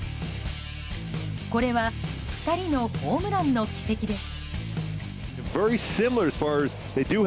これは２人のホームランの軌跡です。